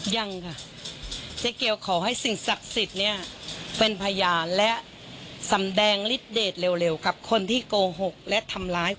ยังค่ะเจ๊เกียวขอให้สิ่งศักดิ์สิทธิ์เนี่ย